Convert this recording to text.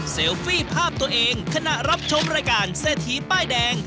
เซลฟี่ภาพตัวเองขณะรับชมรายการ๗ถีป้ายแดง